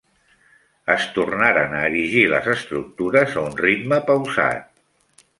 Es tornaren a erigir les estructures a un ritme pausat.